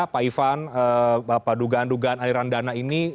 pak ivan dugaan dugaan aliran dana ini